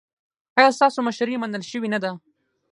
ایا ستاسو مشري منل شوې نه ده؟